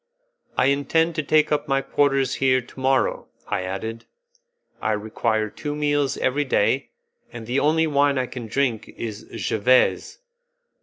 "I intend to take up my quarters here to morrow," I added; "I require two meals every day, and the only wine I can drink is jevese.